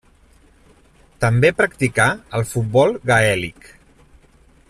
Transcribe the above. També practicà el futbol gaèlic.